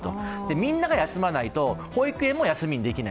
みんなが休まないと保育園も休みにできない。